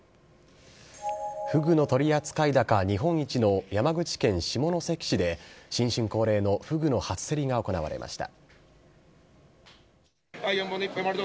フグの取り扱い高日本一の山口県下関市で、新春恒例のフグの初競りが行われました。